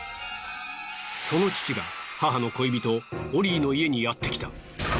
その父が母の恋人オリーの家にやってきた。